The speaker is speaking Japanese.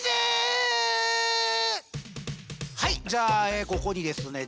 はいじゃあここにですね